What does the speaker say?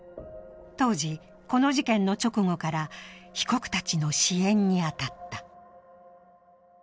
当時、この事件の直後から被告たちの支援に当たった。